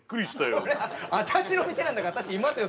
そりゃ私の店なんだから私いますよ